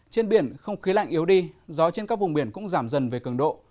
trên biển không khí lạnh yếu đi gió trên các vùng biển cũng giảm dần về cường độ